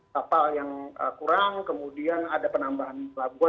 kapal yang kurang kemudian ada penambahan pelabuhan